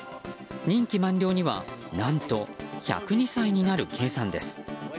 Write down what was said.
任期満了には何と１０２歳になる計算です。